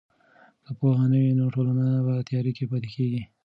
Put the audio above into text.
که پوهه نه وي نو ټولنه په تیاره کې پاتې کیږي.